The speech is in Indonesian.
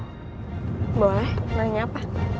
boleh nanya apa